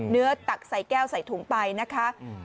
เนื้อแต๊กใส่แก้วใส่ถุงไปนะคะ